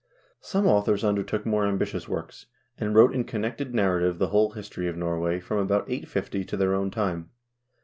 Some authors undertook more ambitious works, and wrote in con nected narrative the whole history of Norway from about 850 to their own time.